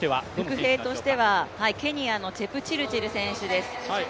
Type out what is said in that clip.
伏兵としてはケニアのチェプチルチル選手です。